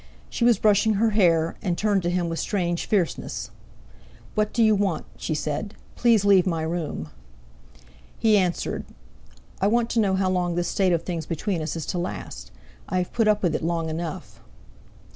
She was brushing her hair, and turned to him with strange fierceness. "What do you want?" she said. "Please leave my room!" He answered: "I want to know how long this state of things between us is to last? I have put up with it long enough."